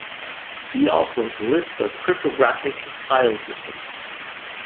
See also the list of cryptographic file systems.